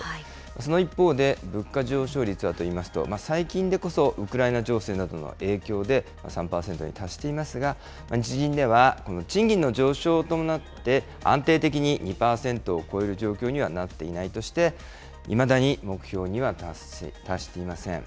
その一方で、物価上昇率はといいますと、最近でこそウクライナ情勢などの影響で、３％に達していますが、日銀では賃金の上昇を伴って、安定的に２％を超える状況にはなっていないとして、いまだに目標には達していません。